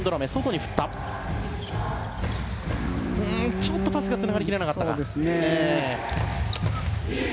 ちょっとパスがつながらなかった。